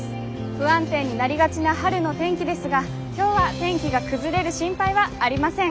不安定になりがちな春の天気ですが今日は天気が崩れる心配はありません。